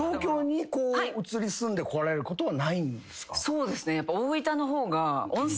そうですね。